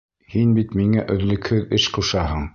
Һин бит миңә өҙлөкһөҙ эш ҡушаһың.